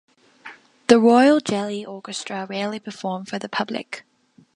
The Royal Jelly Orchestra rarely perform for the public.